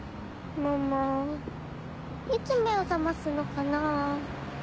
ママいつ目を覚ますのかなぁ？